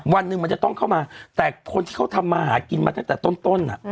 วันหนึ่งมันจะต้องเข้ามาแต่คนที่เขาทำมาหากินมาตั้งแต่ต้น